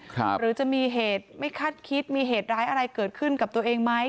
หรือจะมีเหตุไม่คาดคิดมีเหตุร้ายอะไรเกิดขึ้นกับตัวเองไหม